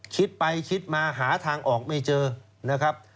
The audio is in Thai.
คิดไปคิดมาหาทางออกไม่เจอนะครับ